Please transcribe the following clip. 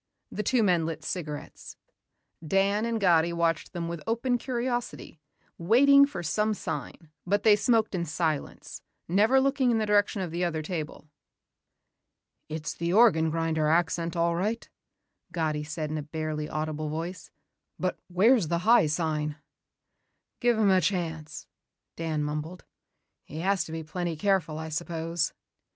The two men lit cigarettes. Dan and Gatti watched them with open curiosity, waiting for some sign but they smoked in silence, never looking in the direction of the other table. "It's the organ grinder accent all right," Gatti said in a barely audible voice. "But where's the high sign?" "Give him a chance," Dan mumbled. "He has to be plenty careful, I suppose."